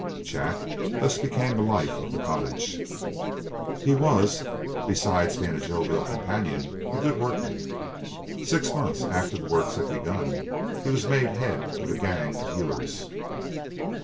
Jack thus became the life of the cottage. He was, besides being a jovial companion, a good workman. Six months after the works had begun, he was made head of a gang of hewers.